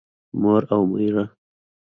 مور او مېره